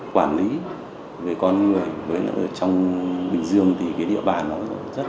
quản lý về con người với trong bình dương thì cái địa bàn nó rất là rộng và dân cư thưa thớt